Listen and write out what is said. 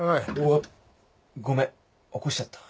わっごめん起こしちゃった。